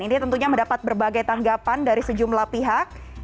ini tentunya mendapat berbagai tanggapan dari sejumlah pihak